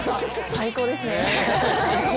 最高ですね。